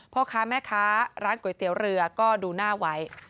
พ่อค้าแม่ค้าร้านก๋วยเตี๋ยวเรือก็ดูหน้าไว้